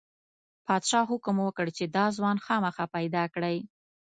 پادشاه حکم وکړ چې دا ځوان خامخا پیدا کړئ.